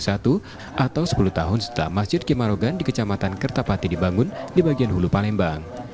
atau sepuluh tahun setelah masjid kimarogan di kecamatan kertapati dibangun di bagian hulu palembang